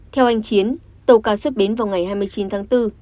theo anh chiến tàu cá xuất bến vào ngày hai mươi chín tháng bốn